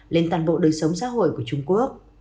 lên toàn bộ đời sống xã hội của trung quốc